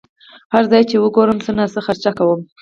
هر ځای چې یې وګورم څه ناڅه خرچه کوم.